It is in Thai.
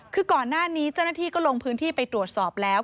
คือก่อนหน้านี้เจ้าหน้าที่ก็ลงพื้นที่ไปตรวจสอบแล้ว